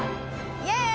イエーイ！